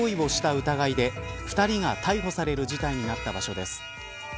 疑いで２人が逮捕される事態になった場所です。